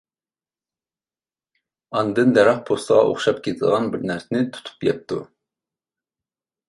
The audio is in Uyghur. ئاندىن دەرەخ پوستىغا ئوخشاپ كېتىدىغان بىر نەرسىنى تۇتۇپ يەپتۇ.